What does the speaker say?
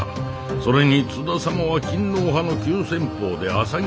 それに津田様は勤皇派の急先鋒で浅葱足袋。